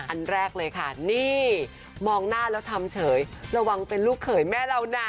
อันแรกเลยค่ะนี่มองหน้าแล้วทำเฉยระวังเป็นลูกเขยแม่เรานะ